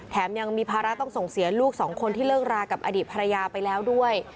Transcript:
ยังมีภาระต้องส่งเสียลูกสองคนที่เลิกรากับอดีตภรรยาไปแล้วด้วย